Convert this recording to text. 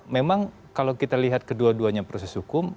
memang kalau kita lihat kedua duanya proses hukum